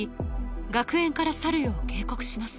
学園から去るよう警告します